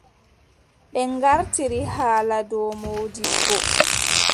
Ɓe ngartiri haala dow moodibbo.